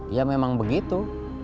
ya memang begitu